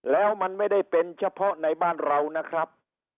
แล้วมันไม่ได้เป็นเฉพาะในบ้านเรานะครับ